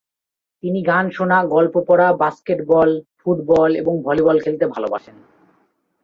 তিনি গান শোনা, গল্প পড়া, বাস্কেটবল, ফুটবল এবং ভলিবল খেলতে ভালবাসেন।